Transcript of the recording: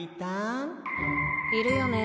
いるよね。